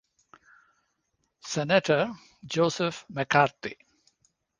Senator Joseph McCarthy.